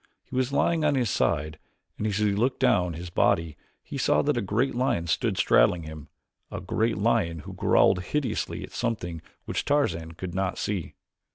He was lying on his side and as he looked down his body, he saw that a great lion stood straddling him a great lion who growled hideously at something which Tarzan could not see.